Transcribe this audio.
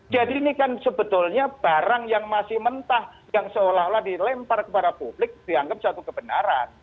jadi ini kan sebetulnya barang yang masih mentah yang seolah olah dilempar kepada publik dianggap satu kebenaran